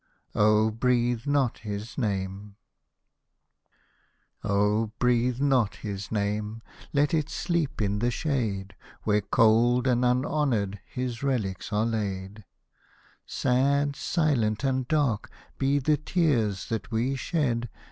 BREATHE NOT HIS NAME Oh ! breathe not his name, let it sleep in the shade, Where cold and unhonoured his relics are laid : Sad, silent, and dark, be the tears that we shed.